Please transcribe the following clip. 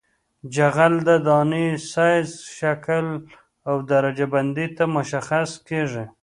جغل د دانې سایز شکل او درجه بندۍ ته مشخص کیږي